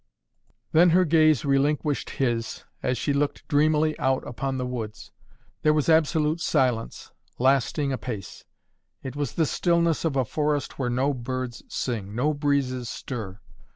Then her gaze relinquished his, as she looked dreamily out upon the woods. There was absolute silence, lasting apace. It was the stillness of a forest where no birds sing, no breezes stir.